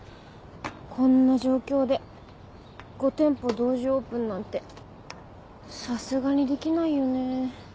こんな状況で５店舗同時オープンなんてさすがにできないよね。